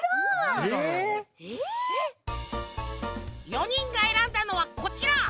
４にんがえらんだのはこちら。